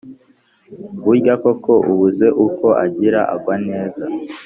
burya koko ubuze uko agira agwaneza.